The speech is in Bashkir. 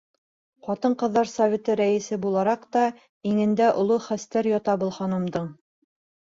Ҡатын-ҡыҙҙар советы рәйесе булараҡ та иңендә оло хәстәр ята был ханымдың.